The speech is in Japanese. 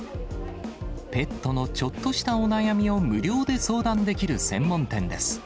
ペットのちょっとしたお悩みを無料で相談できる専門店です。